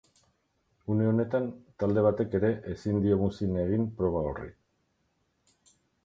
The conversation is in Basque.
Une honetan, talde batek ere ezin dio muzin egin proba horri.